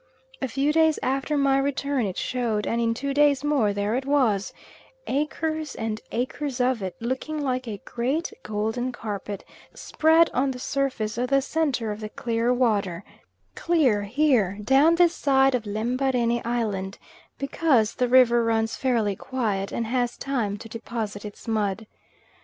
A few days after my return it showed, and in two days more there it was, acres and acres of it, looking like a great, golden carpet spread on the surface of the centre of the clear water clear here, down this side of Lembarene Island, because the river runs fairly quietly, and has time to deposit its mud.